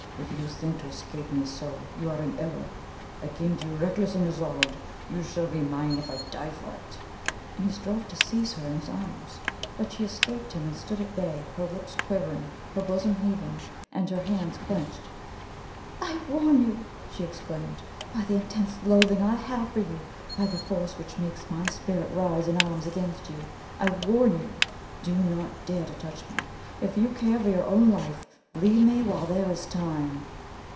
"If you think to escape me so, you are in error. I came to you reckless and resolved! You shall be mine if I die for it!" And he strove to seize her in his arms. But she escaped him and stood at bay, her lips quivering, her bosom heaving, and her hands clenched. "I warn you!" she exclaimed. "By the intense loathing I have for you; by the force which makes my spirit rise in arms against you, I warn you! Do not dare to touch me! If you care for your own life, leave me while there is time!"